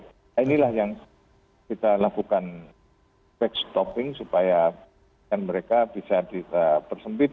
nah inilah yang kita lakukan back stopping supaya mereka bisa dipersempit